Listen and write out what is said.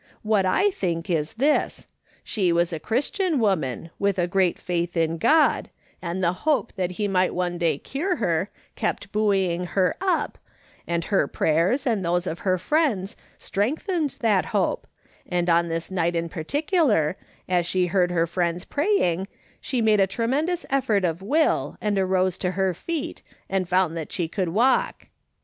What I think is this : she was a Christian woman, with great faith in God, and the hope that he might one day cure her kept buoying her up, and her prayers and those of her friends strengthened that hope, and on this night in particular, as she heard her friends praying, she made a tremendous effort of will, and arose to her feet, and found that she could 142 AfRS. SO/.OAfON SMITH LOOKING ON. walk